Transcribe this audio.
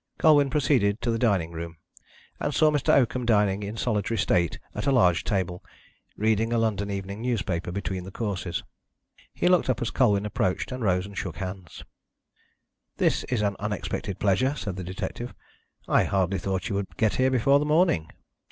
Colwyn proceeded to the dining room, and saw Mr. Oakham dining in solitary state at a large table, reading a London evening newspaper between the courses. He looked up as Colwyn approached, and rose and shook hands. "This is an unexpected pleasure," said the detective. "I hardly thought you would get here before the morning."